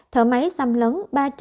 thở máy xăm lấn ba trăm một mươi một